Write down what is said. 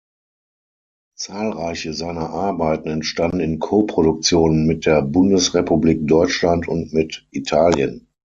Zahlreiche seiner Arbeiten entstanden in Co-Produktion mit der Bundesrepublik Deutschland und mit Italien.